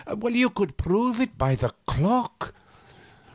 You could prove it by the clock.